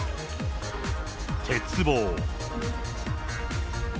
鉄棒。